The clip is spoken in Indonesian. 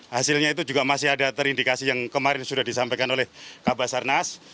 hasilnya itu juga masih ada terindikasi yang kemarin sudah disampaikan oleh kabasarnas